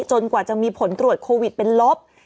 กว่าจะมีผลตรวจโควิดเป็นลบ